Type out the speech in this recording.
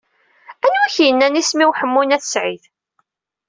Anwa i ak-yennan isem-iw Ḥemmu n At Sɛid?